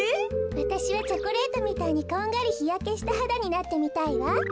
わたしはチョコレートみたいにこんがりひやけしたはだになってみたいわ。